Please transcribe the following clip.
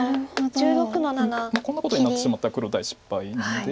こんなことになってしまったら黒大失敗なので。